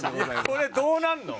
これどうなるの？